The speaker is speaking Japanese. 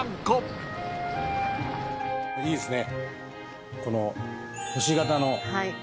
あいいですね。